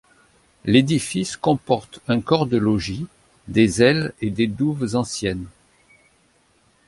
L'édifice comporte un corps de logis, des ailes et des douves anciennes.